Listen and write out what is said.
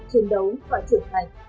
chiến đấu và trưởng thành